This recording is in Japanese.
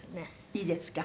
いいですか？